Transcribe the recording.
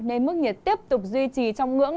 nên mức nhiệt tiếp tục duy trì trong ngưỡng